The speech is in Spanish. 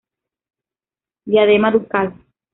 Diadema ducal.